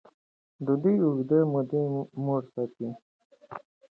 ډوډۍ اوږده موده موړ ساتي.